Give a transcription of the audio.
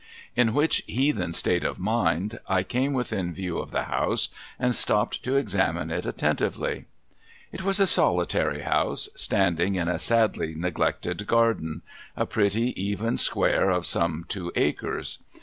In which heathen state of mind, I came within view of the house, and stopped to examine it attentively. It was a solitary house, standing in a sadly neglected garden : a pretty even square of some two acres.